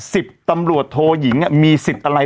สิบตำรวจโทยิงมีสิทธิ์อะไร